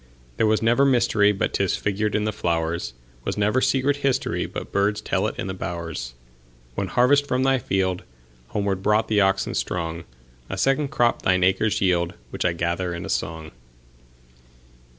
There was never mysteryBut 'tis figured in the flowers; SWas never secret historyBut birds tell it in the bowers. One harvest from thy fieldHomeward brought the oxen strong;A second crop thine acres yield, Which I gather in a song.